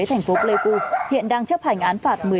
thành phố pleiku hiện đang chấp hành án phạt